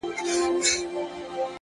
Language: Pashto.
زما له زړه یې جوړه کړې خېلخانه ده ـ